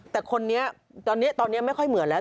แต่คนนี้ตอนนี้ไม่ค่อยเหมือนแล้ว